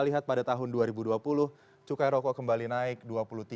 lihat pada tahun ini kenaikan cukai rokok dari tahun ke tahun ini kenaikan cukai rokok dari tahun